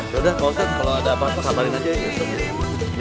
yaudah pak ustad kalau ada apa apa sabarin aja ya